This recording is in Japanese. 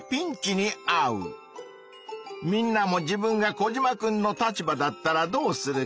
みんなも自分がコジマくんの立場だったらどうするか？